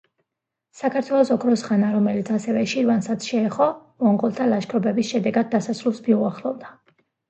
საქართველოს ოქროს ხანა, რომელიც ასევე შირვანსაც შეეხო, მონღოლთა ლაშქრობების შედეგად დასასრულს მიუახლოვდა.